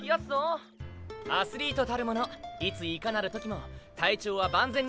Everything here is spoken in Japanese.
アスリートたるものいついかなる時も体調は万全に。